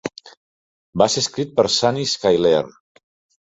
Va ser escrit per Sunny Skylar.